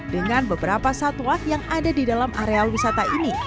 dengan beberapa satwa yang ada di dalam area wisata ini